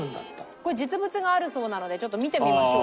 これ実物があるそうなのでちょっと見てみましょうか。